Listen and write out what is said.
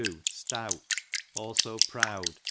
stout; alsoproud.